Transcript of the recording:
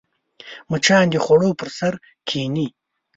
مچان د خوړو پر سر کښېني